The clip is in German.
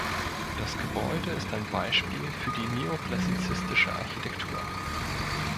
Das Gebäude ist ein Beispiel für die neoklassizistische Architektur.